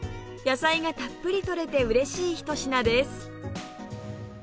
野菜がたっぷりとれて嬉しいひと品です